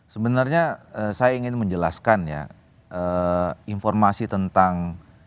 sebenarnya saya ingin menjelaskan ya informasi tentang